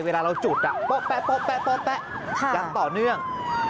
เวลาเราจุดป๊อบแป๊บจังต่อเนื่อง